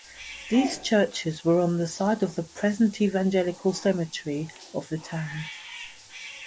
These churches were on the site of the present Evangelical cemetery of the town.